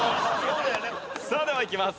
さあではいきます。